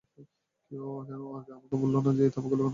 কেউ কেন আগে আমাকে বললো না এই থাবাগুলো অনেক কাজের?